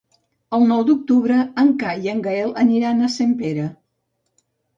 El nou d'octubre en Cai i en Gaël aniran a Sempere.